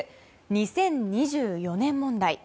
２０２４年問題。